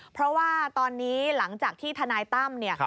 เพราะว่าตอนนี้หลังจากที่ทนายตั้มเนี่ย